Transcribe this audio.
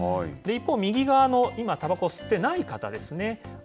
一方、右側の今たばこを吸っていない方ですね。